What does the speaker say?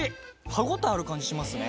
歯応えある感じしますね。